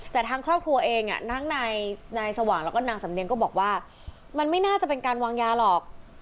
แต่ทางครอบครัวเองทั้งนายสว่างแล้วก็นางสำเนียงก็บอกว่ามันไม่น่าจะเป็นการวางยาหรอก